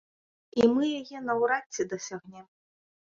І мы яе наўрад ці дасягнем.